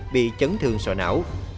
bị chấn thương sọ não